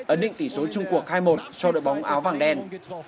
ấn định tỷ số trung quốc hai một cho đội bóng áo vàng đen